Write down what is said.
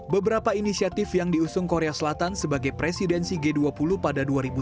beberapa inisiatif yang diusung korea selatan sebagai presidensi g dua puluh pada dua ribu dua puluh